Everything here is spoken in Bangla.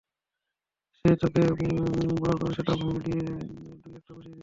সে তোকে বড় করেছে এটা ভুলে গিয়ে, দুই-একটা বসিয়ে দিতি।